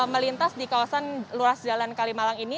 melintas di kawasan luar sejalan kalimalang ini